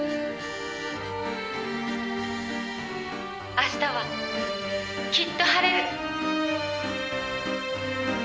「明日はきっと晴れる」